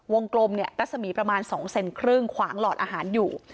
กลมเนี่ยรัศมีประมาณ๒เซนครึ่งขวางหลอดอาหารอยู่